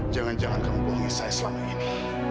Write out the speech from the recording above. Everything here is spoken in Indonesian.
jangan jangan kamu bohongi saya selama ini